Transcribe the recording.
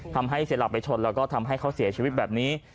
ทำให้เสียหลักไปชนแล้วก็ทำให้เขาเสียชีวิตแบบนี้